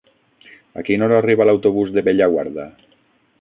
A quina hora arriba l'autobús de Bellaguarda?